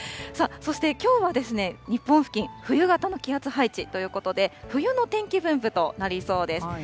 さあ、そしてきょうは日本付近、冬型の気圧配置ということで、冬の天気分布となりそうです。